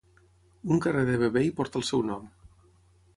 Un carrer de Vevey porta el seu nom.